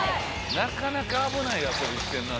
なかなか危ない遊びしてるなぁ。